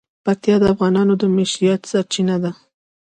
پکتیا د افغانانو د معیشت سرچینه ده.